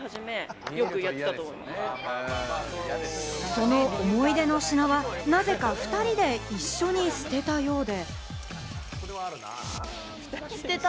その思い出の品はなぜか２人で一緒に捨てたようで。